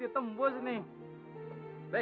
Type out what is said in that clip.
itu nomor berapa itu